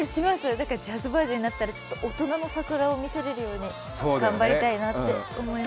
だからジャズバージョンになったら、大人の櫻を見せられるように頑張りたいと思います。